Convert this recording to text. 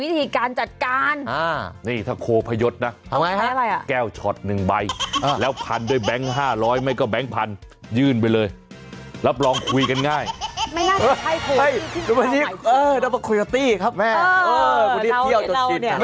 ไม่น่าจะให้ผูกขึ้นออกใหม่ชีวิตนะครับเออดับเกอร์โคโยตี้ครับแม่เออคุณที่เที่ยวจดชิด